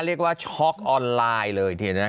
เรียกว่าช็อคออนไลน์เลย